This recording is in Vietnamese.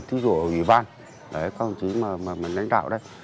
thí dụ ở ủy ban các đồng chí mà mình đánh đạo đây